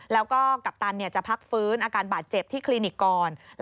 แล้วก็กัปตันจะพักฟื้นอาการบาดเจ็บที่คลินิกก่อน